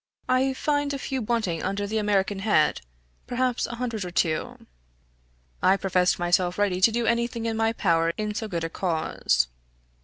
I find a few wanting under the American head perhaps a hundred or two." I professed myself ready to do any thing in my power in so good a cause.